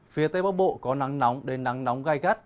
phía tây bắc bộ có nắng nóng đến nắng nóng gai gắt